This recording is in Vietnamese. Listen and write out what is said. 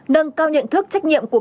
hai nâng cao nhận thức trách nhiệm của